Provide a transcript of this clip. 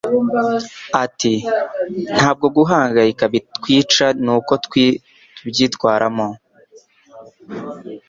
Ati: "Ntabwo guhangayika bitwica, ni uko tubyitwaramo."